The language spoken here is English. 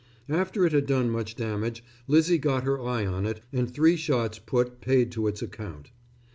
After it had done much damage Lizzie got her eye on it, and three shots put paid to its account.